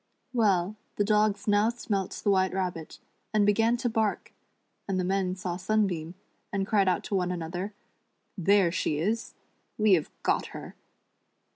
Well, the dogs now smelt the White Rabbit, and began to bark, and the men saw Sunbeam, and cried out to one another :" There she is," " We have got her."